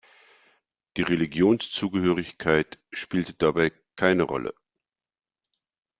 Die Religionszugehörigkeit spielte dabei keine Rolle.